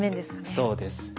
そうです。